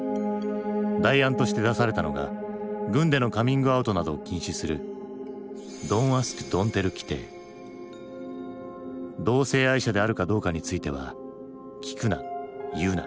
代案として出されたのが軍でのカミングアウトなどを禁止する同性愛者であるかどうかについては「聞くな言うな」